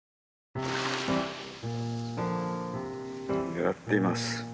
狙っています。